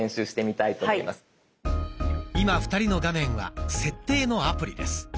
今２人の画面は「設定」のアプリです。